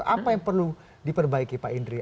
apa yang perlu diperbaiki pak indri